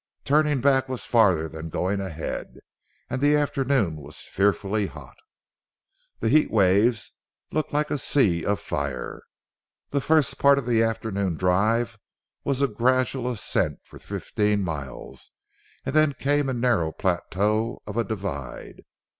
Turning back was farther than going ahead, and the afternoon was fearfully hot. The heat waves looked like a sea of fire. The first part of the afternoon drive was a gradual ascent for fifteen miles, and then came a narrow plateau of a divide.